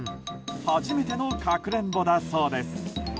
初めてのかくれんぼだそうです。